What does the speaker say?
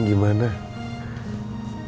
kondisi mamanya intan gimana